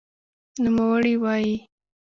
نوموړې وايي